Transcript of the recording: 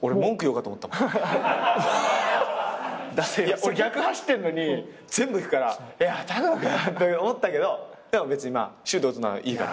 俺逆走ってんのに全部いくから「いや拓磨君」って思ったけどまあシュート打つのはいいから。